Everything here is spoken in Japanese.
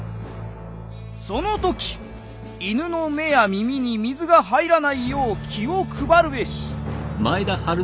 「その時犬の目や耳に水が入らないよう気を配るべし」。